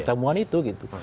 pertemuan itu gitu